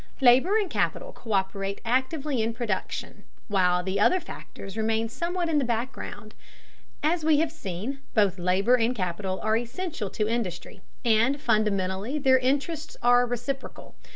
Labor and capital co÷perate actively in production, while the other factors remain somewhat in the background. As we have seen, both labor and capital are essential to industry, and fundamentally their interests are reciprocal.